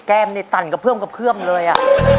แก้มเนี่ยตั่นกระเพื้อมกระเพื้อมเลยอะ